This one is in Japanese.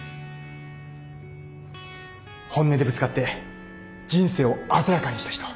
本音でぶつかって人生を鮮やかにした人。